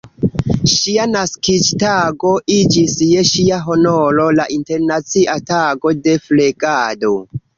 Ŝia naskiĝtago iĝis je ŝia honoro la Internacia tago de flegado.